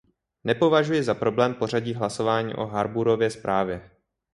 Nepovažuji za problém pořadí hlasování o Harbourově zprávě.